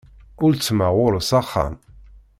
Uletma ɣur-s axxam.